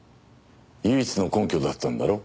唯一の根拠だったんだろ。